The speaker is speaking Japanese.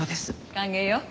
歓迎よ。